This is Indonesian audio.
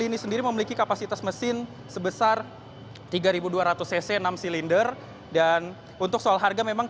ini sendiri memiliki kapasitas mesin sebesar tiga ribu dua ratus cc enam silinder dan untuk soal harga memang